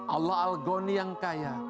allah al ghani yang kaya